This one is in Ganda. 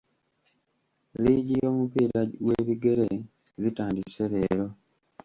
Liigi y'omupiira gw'ebigere zitandise leero.